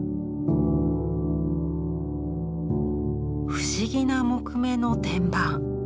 不思議な木目の天板。